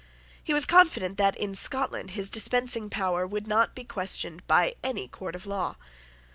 He was confident that, in Scotland, his dispensing power would not be questioned by any court of law.